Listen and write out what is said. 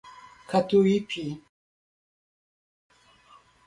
Catuípe